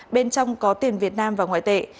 bên trong có tiền việt nam và ngoại tệ